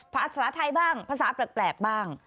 ภาษาไทยบ้างภาษาแปลกบ้าง